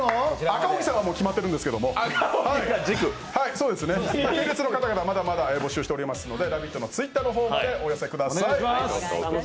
赤荻さんはもう決まってるんですけども、まだまだ募集しておりますので「ラヴィット！」のＴｗｉｔｔｅｒの方までお寄せください。